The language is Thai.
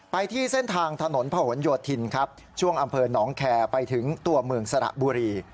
ที่เส้นทางถนนพะหนโยธินครับช่วงอำเภอหนองแคร์ไปถึงตัวเมืองสระบุรี